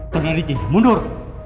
tunggu ricky mundur